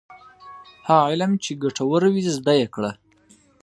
هغه علم چي ګټور وي زده یې کړه.